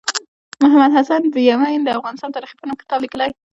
محمد حسین یمین د افغانستان تاریخي په نوم کتاب لیکلی دی